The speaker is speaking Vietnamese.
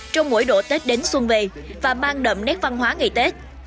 trong mỗi độ tết đến xuân về và mang đậm nét văn hóa ngày tết